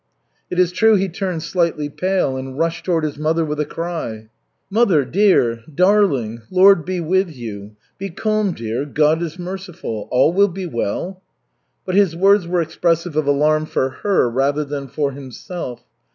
It is true he turned slightly pale and rushed toward his mother with a cry: "Mother, dear! Darling! Lord be with you! Be calm, dear! God is merciful. All will be well." But his words were expressive of alarm for her rather than for himself.